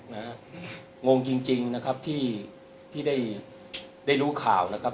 งงจริงที่ได้รู้ข่าวนะครับ